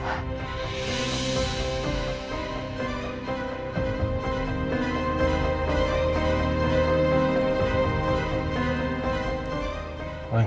mohon maaf lah di batin